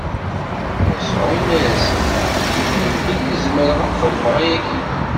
Yasuɛ inna-asen:Tumnem belli zemreɣ ad xedmeɣ ayagi?